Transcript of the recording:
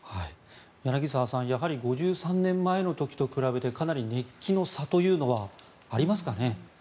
柳澤さんやはり５３年前の時と比べるとかなり熱気の差というのはありますかね？